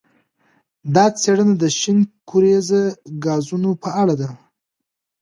دا څېړنه د شین کوریزه ګازونو په اړه ده.